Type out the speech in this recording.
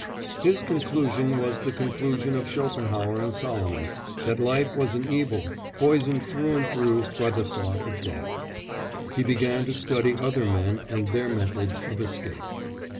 His conclusion was the conclusion of Schopenhauer and Solomon that life was an evil poisoned through and through by the thought of death. He began to study other men and their methods of escape.